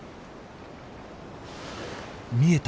見えた！